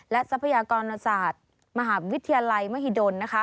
และทรัพยากรณศาสตร์มหาวิทยาลัยมหิดล